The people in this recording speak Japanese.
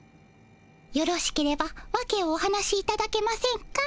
よろしければワケをお話しいただけませんか？